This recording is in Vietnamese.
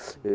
ví dụ như